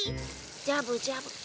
ジャブジャブ。